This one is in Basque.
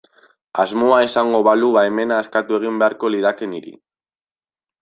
Asmoa izango balu baimena eskatu egin beharko lidake niri.